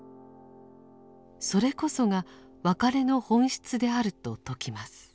それこそが別れの本質であると説きます。